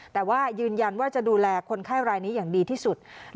แต่ว่ายืนยันว่าจะดูแลคนไข้รายนี้อย่างดีที่สุด